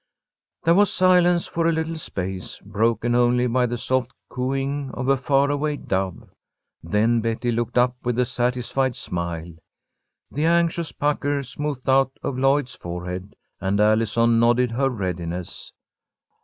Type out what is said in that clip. There was silence for a little space, broken only by the soft cooing of a far away dove. Then Betty looked up with a satisfied smile. The anxious pucker smoothed out of Lloyd's forehead, and Allison nodded her readiness.